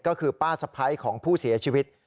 ก็คือป้าสะพ้ายของผู้เสียชีวิต